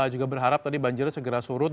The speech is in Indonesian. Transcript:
juga berharap tadi banjirnya segera surut